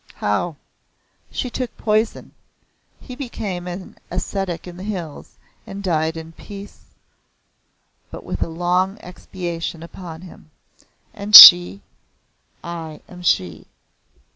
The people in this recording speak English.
"How?" "She took poison. He became an ascetic in the hills and died in peace but with a long expiation upon him." "And she?" "I am she."